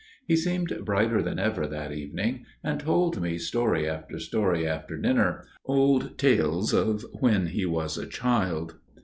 He seemed brighter than ever that evening, and told me story after story after dinner, old tales of when he was a child.